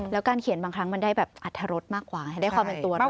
แล้วการเขียนบางครั้งมันได้แบบอัตรรสมากกว่าได้ความเป็นตัวเรา